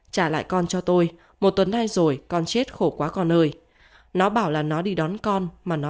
trả lại con cho tôi một tuần nay rồi con chết khổ quá ơi nó bảo là nó đi đón con mà nó